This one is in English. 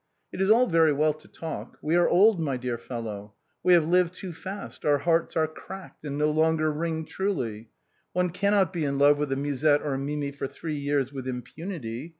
It is all very well to talk ; we are old, my dear fellow ; we have lived too fast, our hearts are cracked, and no longer ring truly ; one cannot be in love with a Musette or a Mimi for three years with impunity.